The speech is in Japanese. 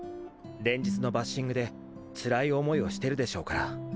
連日のバッシングでつらい思いをしてるでしょうから。